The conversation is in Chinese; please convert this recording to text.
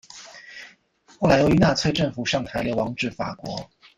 后来由于纳粹政府上台流亡至法国。